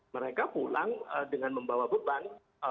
mereka pulang dengan membawa beban